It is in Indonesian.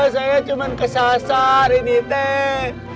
saya cuma kesasar ini teh